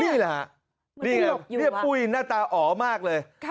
นี่แหละปุ้ยหน้าตาอ๋อมากเลย